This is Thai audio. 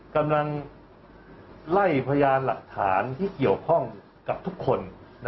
กำลังไล่พยานหลักฐานที่เกี่ยวข้องกับทุกคน